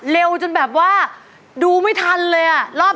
เรากระโดดขึ้นเป็นหลายแน่นอน